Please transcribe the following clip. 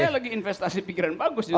saya lagi investasi pikiran bagus juga